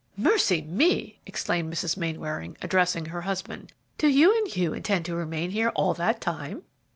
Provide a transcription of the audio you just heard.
"Mercy me!" exclaimed Mrs. Mainwaring, addressing her husband; "do you and Hugh intend to remain here all that time?"